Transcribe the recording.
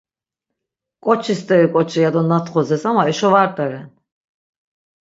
Ǩoçi st̆eri ǩoçi yado natxozes ama eşo va rt̆eren.